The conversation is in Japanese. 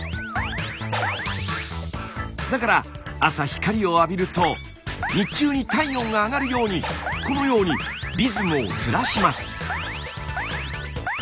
だから朝光を浴びると日中に体温が上がるようにこのようにリズムをずらします。